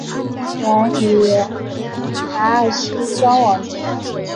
目前与海尔希交往中。